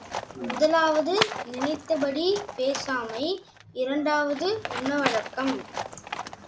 முதலாவது நினைத்தபடி பேசாமை, இரண்டாவது உணவடக்கம்.